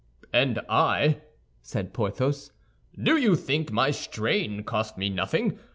"And I," said Porthos, "do you think my strain cost me nothing?